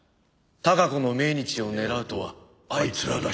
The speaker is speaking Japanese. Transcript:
「孝子の命日を狙うとはあいつららしい」